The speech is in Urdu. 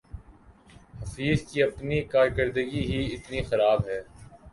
حفیظ کی اپنی کارکردگی ہی اتنی خراب ہے